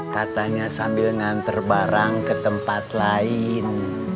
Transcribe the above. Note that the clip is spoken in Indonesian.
katanya sambil nganter barang ke tempat lain